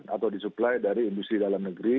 atau disuplai dari industri dalam negeri